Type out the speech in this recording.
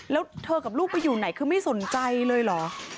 แล้วเธอกับลูกไปอยู่ไหนคือไม่สนใจเลยเหรอ